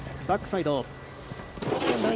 バックサイド。